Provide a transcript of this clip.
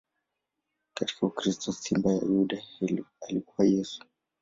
Katika ukristo, Simba wa Yuda alikuwa Yesu.